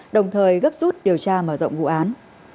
đồng thời gấp rút điều tra mở rộng vụ án